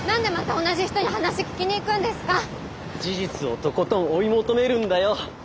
事実をとことん追い求めるんだよ！